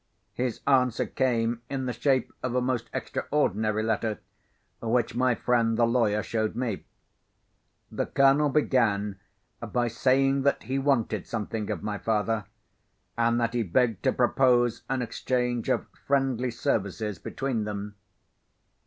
His answer came in the shape of a most extraordinary letter, which my friend the lawyer showed me. The Colonel began by saying that he wanted something of my father, and that he begged to propose an exchange of friendly services between them.